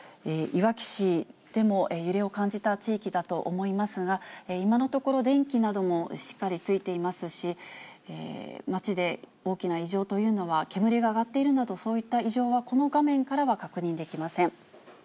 いわき市でも揺れを感じた地域だと思いますが、今のところ電気などもしっかりついていますし、町で大きな異常というのは、煙が上がっているなど、そういった異常は、この画面からは確認できません。